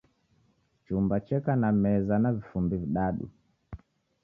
Chumba cheka na meza na vifumbi vidadu